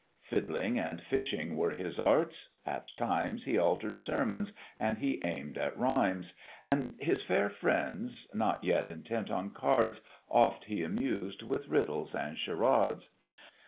Fiddling and fishing were his arts: at times He alter'd sermons, and he aim'd at rhymes; And his fair friends, not yet intent on cards, Oft he amused with riddles and charades.